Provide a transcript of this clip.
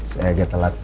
saya agak telat